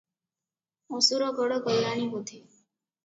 ଅସୁରଗଡ ଗଲାଣି ବୋଧେ ।